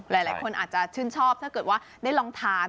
หลายคนอาจจะชื่นชอบถ้าเกิดว่าได้ลองทาน